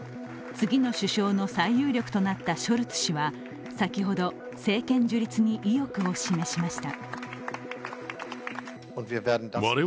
次の首相の最有力となったショルツ氏は先ほど政権樹立に意欲を示しました。